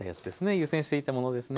湯煎していたものですね。